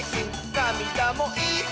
「なみだもイス！」